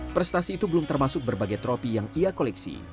prestasi itu belum termasuk berbagai tropi yang ia koleksi